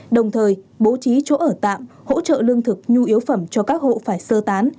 đồng thời bố trí chỗ ở tạm hỗ trợ lương thực nhu yếu phẩm cho các hộ phải sơ tán